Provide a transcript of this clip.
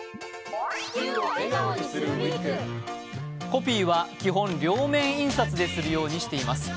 コピーは基本両面印刷でするようにしています。